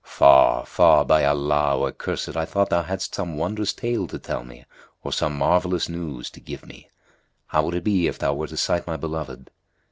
[FN#249] Faugh! Faugh! By Allah, O accursed, I thought thou hadst some wondrous tale to tell me or some marvellous news to give me. How would it be if thou were to sight my beloved?